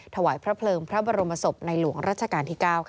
ถวายพระเพลิงพระบรมศพในหลวงรัชกาลที่๙